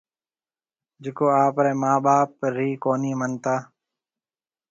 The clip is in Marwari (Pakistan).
جڪو آپرَي مان ٻاپ رِي ڪونِي منتا۔